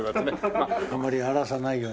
あんまり荒らさないように。